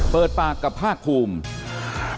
เปิดปากกับภาคภูมิ